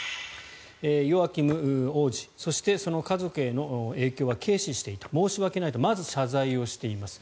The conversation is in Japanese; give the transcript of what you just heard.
ヨアキム王子とそしてその家族への影響は軽視していた申し訳ないとまず謝罪をしています。